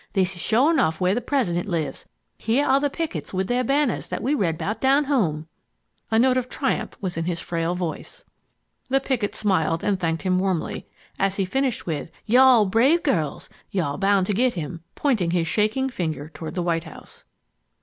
This is sure enough where the President lives; here are the pickets with their banners that we read about down home.'' A note of triumph was in his frail voice. The picket smiled, and thanked him warmly, as he finished with, "You are brave girls. You are bound to get him"—pointing his shaking finger toward the White House.